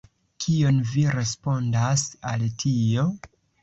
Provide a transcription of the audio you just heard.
Kion vi respondas al tio?